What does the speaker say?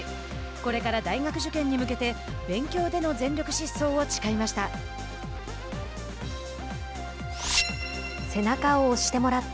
これから大学受験に向けて勉強での全力疾走を誓いました。